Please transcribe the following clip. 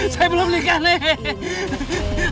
saya belum nikah nek